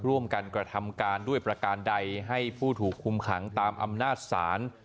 ร่วมกันกระทำการด้วยประการใดให้ผู้ถูกคุมขังตามอำนาจศาล